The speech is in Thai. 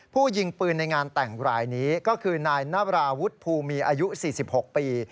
ยิงปืนในงานแต่งรายนี้ก็คือนายนาบราวุฒิภูมีอายุ๔๖ปี